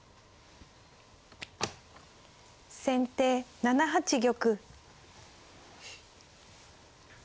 先手７八玉。